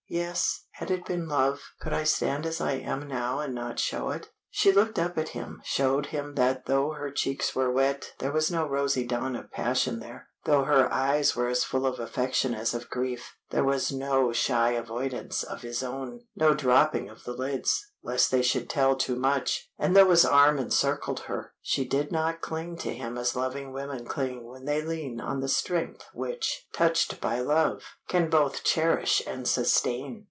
"Yes. Had it been love, could I stand as I am now and not show it?" She looked up at him, showed him that though her cheeks were wet there was no rosy dawn of passion there; though her eyes were as full of affection as of grief, there was no shy avoidance of his own, no dropping of the lids, lest they should tell too much; and though his arm encircled her, she did not cling to him as loving women cling when they lean on the strength which, touched by love, can both cherish and sustain.